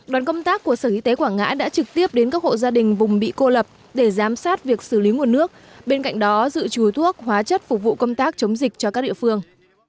đoàn công tác của sở y tế quảng ngãi đã trực tiếp đến các hộ gia đình vùng bị cô lập để giám sát việc xử lý nguồn nước bên cạnh đó dự trùi thuốc hóa chất phục vụ công tác chống dịch cho các địa phương